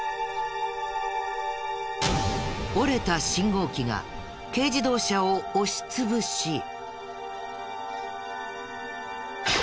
折れた信号機が軽自動車を押し潰し。